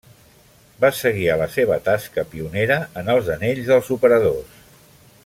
Va seguir a la seva tasca pionera en els anells dels operadors.